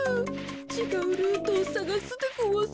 ちがうルートをさがすでごわす。